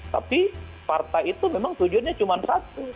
tapi partai itu memang tujuannya cuma satu